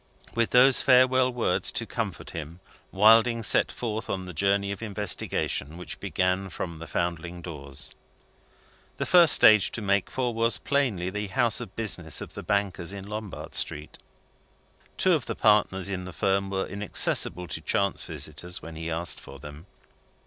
With those farewell words to comfort him Wilding set forth on the journey of investigation which began from the Foundling doors. The first stage to make for, was plainly the house of business of the bankers in Lombard Street. Two of the partners in the firm were inaccessible to chance visitors when he asked for them.